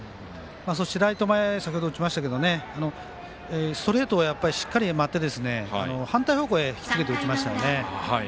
ライト前、先ほど打ちましたけどストレートをしっかり待って反対方向へ引きつけて打ちましたよね。